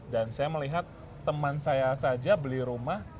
dan saya melihat teman saya saja beli rumah